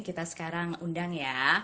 kita sekarang undang ya